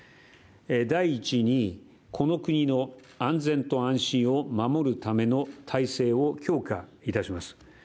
第１に、この国の安全と安心を守るための体制を強化いたします。